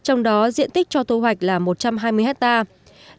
trong đó diện tích cho thu hoạch là một trăm hai mươi hectare